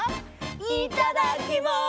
いただきます！